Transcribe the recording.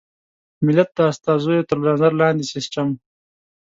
ملت د استازیو تر نظر لاندې سیسټم.